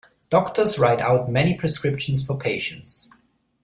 Doctor's write out many prescriptions for patients.